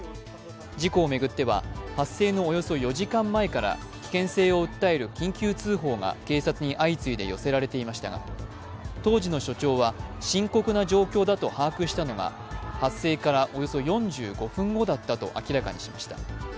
事故を巡っては発生のおよそ４時間前から危険性を訴える緊急通報が警察に相次いで寄せられていましたが当時の署長は深刻な状況だと把握したのが発生からおよそ４５分後だったと明らかにしました。